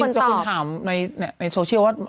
ต้องยินจะคุณถามในโซเชียลว่า